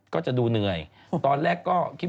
ก็จะดูเหนื่อยตอนแรกก็คิด